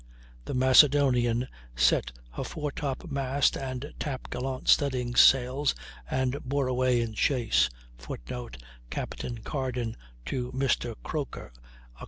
The Macedonian set her foretop mast and top gallant studdings sails and bore away in chase, [Footnote: Capt. Carden to Mr. Croker, Oct.